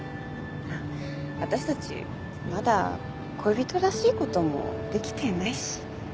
あっ私たちまだ恋人らしいこともできてないし。